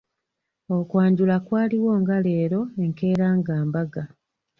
Okwanjula kwaliwo nga leero, enkeera nga mbaga.